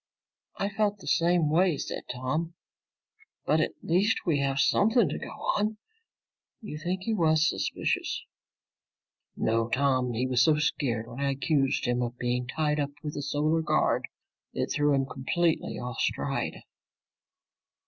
"I felt the same way," said Tom. "But at least we have something to go on. You think he was suspicious?" "No, Tom. He was so scared when I accused him of being tied up with the Solar Guard it threw him completely off stride."